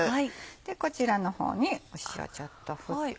こちらの方に塩ちょっと振って。